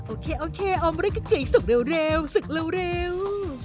โอเคโอเคเอามาเร็วสุกเร็ว